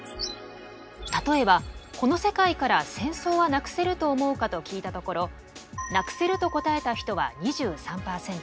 例えば「この世界から戦争はなくせると思うか？」と聞いたところ「なくせる」と答えた人は２３％。